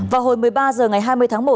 vào hồi một mươi ba h ngày hai mươi tháng một